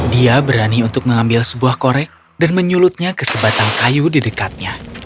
dia berani untuk mengambil sebuah korek dan menyulutnya ke sebatang kayu di dekatnya